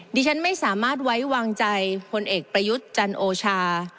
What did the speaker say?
ดิฉันไม่สามารถไว้วางใจพลเอกประยุทธ์จันโอชา